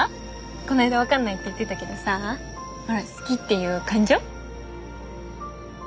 こないだ分かんないって言ってたけどさほら「好き」っていう感情？